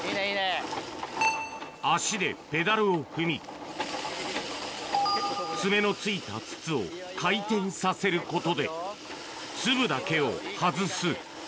足でペダルを踏み、爪の付いた筒を回転させることで粒だけを外す。